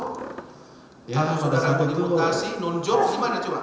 kalau sudara dimutasi non job gimana coba